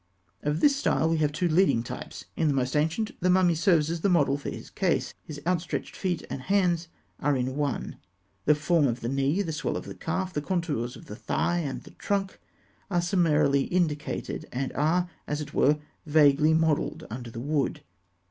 Of this style we have two leading types. In the most ancient, the mummy serves as the model for his case. His outstretched feet and legs are in one. The form of the knee, the swell of the calf, the contours of the thigh and the trunk, are summarily indicated, and are, as it were, vaguely modelled under the wood.